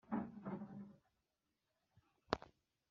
ibyaha dukora ibyakozwe nabatubyaye